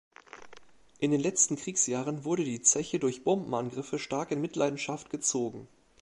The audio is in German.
In den letzten Kriegsjahren wurde die Zeche durch Bombenangriffe stark in Mitleidenschaft gezogen.